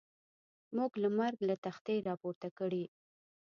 موږ له مرګ له تختې را پورته کړي.